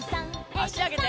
あしあげて。